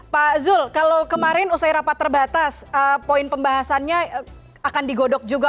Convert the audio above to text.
pak zul kalau kemarin usai rapat terbatas poin pembahasannya akan digodok juga